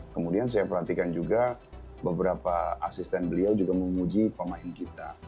kemudian saya perhatikan juga beberapa asisten beliau juga memuji pemain kita